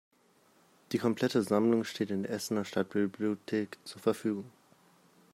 Die komplette Sammlung steht in der Essener Stadtbibliothek zur Verfügung.